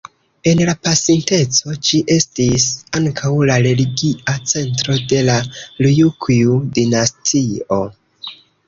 En la pasinteco ĝi estis ankaŭ la religia centro de la Rjukju-dinastio.